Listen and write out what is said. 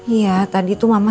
iya tadi tuh mama